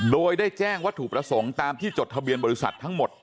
โดยได้แจ้งวัตถุประสงค์ตามที่จดทะเบียนบริษัททั้งหมด